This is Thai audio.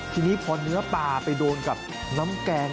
ทีนี้พอเนื้อปลาไปโดนกับน้ำแกง